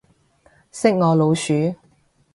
識我老鼠